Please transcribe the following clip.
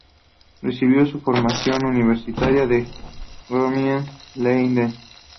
Recibió su formación universitaria en Groningen y Leiden.